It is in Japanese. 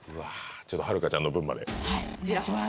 ちょっとはるかちゃんの分まではいお願いします